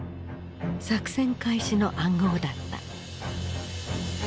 作戦開始の暗号だった。